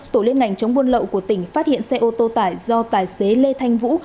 tổ liên ngành chống buôn lậu của tỉnh phát hiện xe ô tô tải do tài xế lê thanh vũ